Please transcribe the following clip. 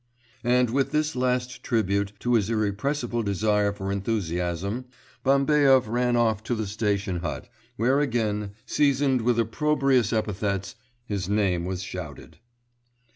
And with this last tribute to his irrepressible desire for enthusiasm, Bambaev ran off to the station hut, where again, seasoned with opprobrious epithets, his name was shouted.